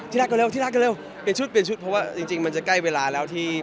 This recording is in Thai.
รักก็เร็วที่รักก็เร็วเปลี่ยนชุดเปลี่ยนชุดเพราะว่าจริงมันจะใกล้เวลาแล้วที่